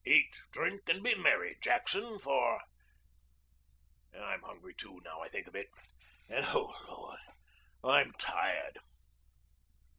'Eat, drink, and be merry, Jackson, for I'm hungry too, now I think of it. And, oh Lord, I'm tired.'